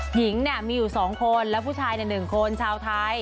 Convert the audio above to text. หญิงมีอยู่๒คนแล้วผู้ชายใน๑คนชาวไทย